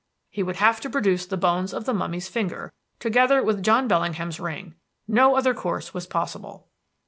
"He would have to produce the bones of the mummy's finger, together with John Bellingham's ring. No other course was possible.